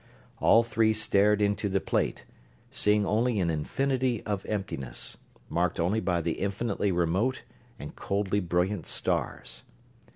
All three stared into the plate, seeing only an infinity of emptiness, marked only by the infinitely remote and coldly brilliant stars.